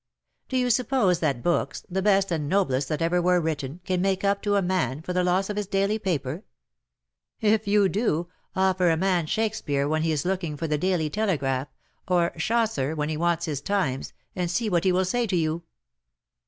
^^" Do you suppose that books — the best and noblest that ever were written — can make up to a man for the loss of his daily paper ? If you do, offer a man Shakespeare when he is looking for the Daily Telegraph, or Chaucer when he wants his Times, and see what he will say to you.